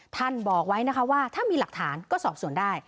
ท่านบอกไว้ว่าถ้ามีหลักฐานก็สอบส่วนได้